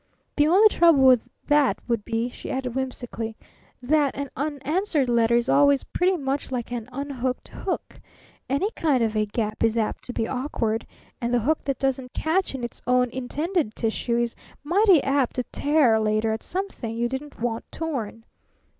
The only trouble with that would be," she added whimsically, "that an unanswered letter is always pretty much like an unhooked hook. Any kind of a gap is apt to be awkward, and the hook that doesn't catch in its own intended tissue is mighty apt to tear later at something you didn't want torn."